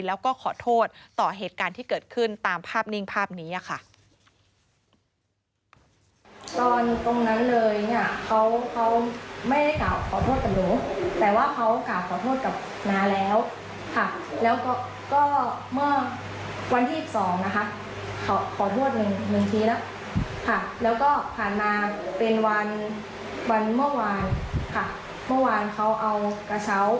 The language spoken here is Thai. แล้วก็ขอโทษต่อเหตุการณ์ที่เกิดขึ้นตามภาพนิ่งภาพนี้ค่ะ